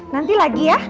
nanti lagi ya